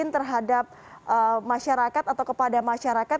terhadap masyarakat atau kepada masyarakat